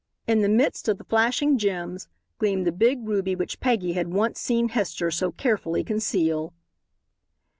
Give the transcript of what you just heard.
In the midst of the flashing gems gleamed the big ruby which Peggy had once seen Hester so carefully conceal.